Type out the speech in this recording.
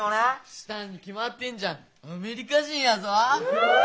したに決まってんじゃんアメリカ人やぞ。